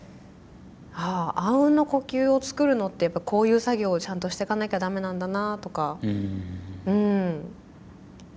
あああうんの呼吸を作るのってやっぱこういう作業をちゃんとしてかなきゃ駄目なんだなとか。